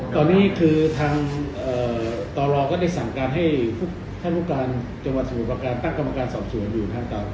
ตอนนี้ต่อรองก็ได้สั่งการให้ท่านผู้การจังหวัดสมุทรประการตั้งกำมาเงินสอบส่วนอยู่